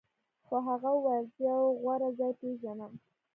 خو هغه وویل زه یو غوره ځای پیژنم